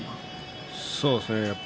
そうですね。